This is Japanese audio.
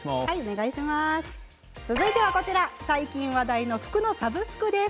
続いては最近、話題の服のサブスクです。